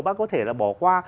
bác ấy có thể là bỏ qua